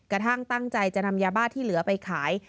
กระทั่งตั้งใจจะนำยาบ้าที่เหลือไปขาย